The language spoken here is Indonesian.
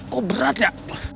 kok berat ya